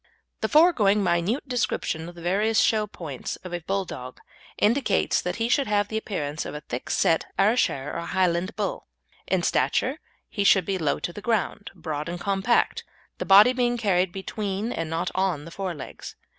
The foregoing minute description of the various show points of a Bulldog indicates that he should have the appearance of a thick set Ayrshire or Highland bull. In stature he should be low to the ground, broad and compact, the body being carried between and not on the fore legs.